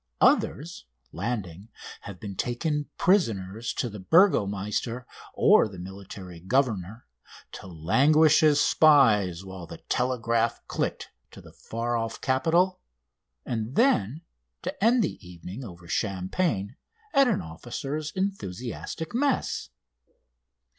Others, landing, have been taken prisoners to the burgomeister or the military governor, to languish as spies while the telegraph clicked to the far off capital, and then to end the evening over champagne at an officers' enthusiastic mess.